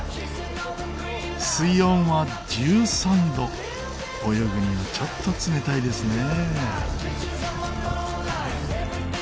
水温は１３度泳ぐにはちょっと冷たいですね。